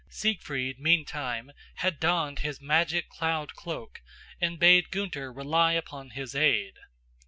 Siegfried, meantime, had donned his magic cloud cloak and bade Gunther rely upon his aid.